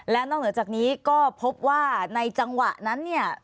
และนอกเหนือจากนี้ก็พบว่าในจังหวะนั้นเนี่ย